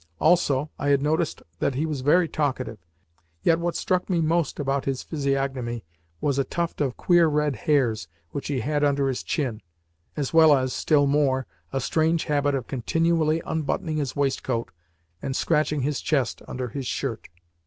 Also I had noticed that he was very talkative. Yet what struck me most about his physiognomy was a tuft, of queer red hairs which he had under his chin, as well as, still more, a strange habit of continually unbuttoning his waistcoat and scratching his chest under his shirt.